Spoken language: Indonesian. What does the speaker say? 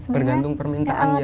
tergantung permintaan ya